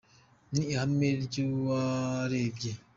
Ni ihame ry’uwarebye